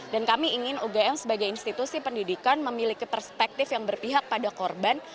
dan kami ingin ugm sebagai institusi pendidikan memiliki perspektif yang berpihak pada korban